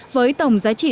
với tổng giá trị